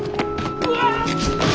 うわ！